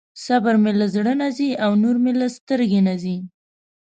صبر مې له زړه نه ځي او نور مې له سترګې نه ځي.